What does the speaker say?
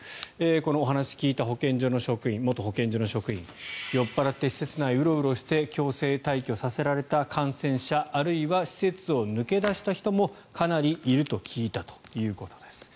このお話を聞いた保健所の元職員酔っ払って施設内をウロウロして強制退去させられた感染者あるいは施設を抜け出した人もかなりいると聞いたということです。